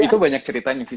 itu banyak ceritanya sih